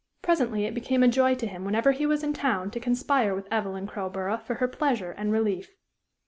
Presently it became a joy to him whenever he was in town to conspire with Evelyn Crowborough for her pleasure and relief.